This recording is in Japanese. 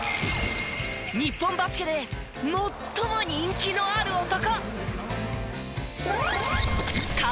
日本バスケで最も人気のある男。